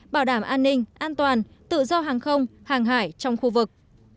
bảo đảm an ninh an toàn tự do hàng không hàng hải trong khu vực